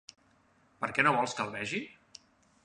Per què no vols que el vegi?